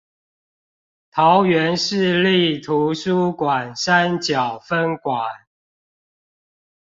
桃園市立圖書館山腳分館